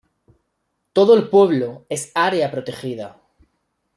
Todo el pueblo es área protegida.